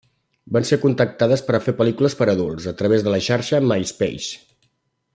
Van ser contactades per a fer pel·lícules per adults, a través de la xarxa MySpace.